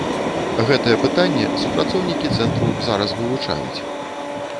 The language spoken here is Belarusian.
Гэтае пытанне супрацоўнікі цэнтру зараз вывучаюць.